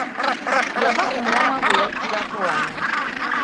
Yava ku mulamwa gwe yajjirako wano.